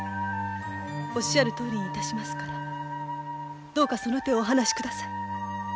おっしゃるとおりにいたしますからどうかその手をお離しください。